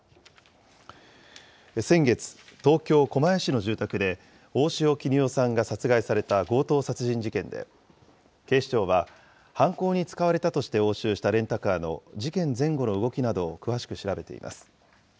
先月、東京・狛江市の住宅で、大塩衣與さんが殺害された強盗殺人事件で、警視庁は犯行に使われたとして押収したレンタカーの事件前後の動きなどを詳しく調べています。